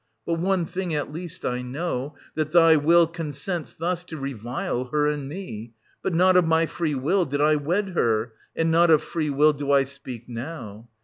But one thing, at least, I know, — that thy will consents thus to revile her and me; but not of my free will did I wed her, and not of free will do I speak now.